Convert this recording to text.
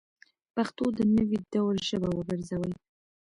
پښتو د نوي دور ژبه وګرځوئ